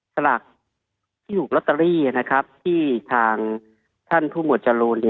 ตลาดที่๖ลอตเตอรี่นะครับที่ทางท่านผู้หมวดจรูน